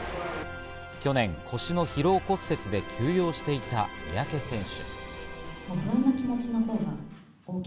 去年、腰の疲労骨折で休養していた三宅選手。